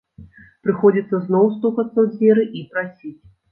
Прыходзіцца зноў стукацца ў дзверы і прасіць.